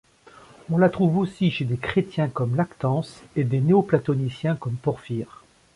On la trouve aussi chez des chrétiens comme Lactance et des néo-platoniciens comme Porphyre.